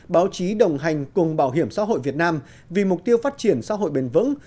báo chí đồng hành cùng bảo hiểm xã hội việt nam vì mục tiêu phát triển xã hội bền vững